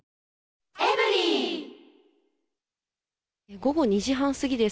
今、午後２時半過ぎです。